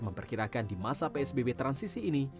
memperkirakan di masa psbb transisi ini